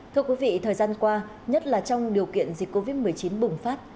thưa quý vị thời gian qua nhất là trong điều kiện dịch covid một mươi chín bùng phát